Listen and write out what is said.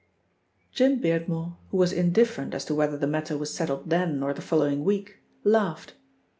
Jim Beardmore, who was indifferent as to whether the matter was settled then or the following week, laughed.